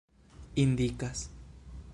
indikas